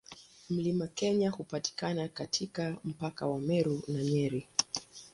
Mlima Kenya hupatikana katika mpaka wa Meru na Nyeri.